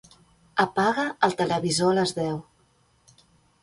Apaga el televisor a les deu.